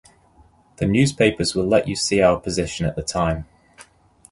The newspapers will let you see our position at the time.